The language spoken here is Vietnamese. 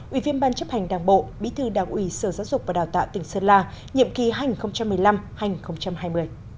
ủy viên ban chấp hành đảng bộ bí thư đảng ủy sở giáo dục và đào tạo tỉnh sơn la nhiệm kỳ hành một mươi năm hai nghìn hai mươi